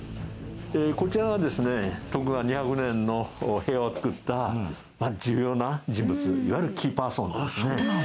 こちらがですね徳川２００年の平和をつくった重要な人物いわゆるキーパーソンですね。